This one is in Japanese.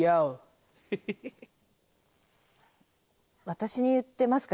私に言ってますか？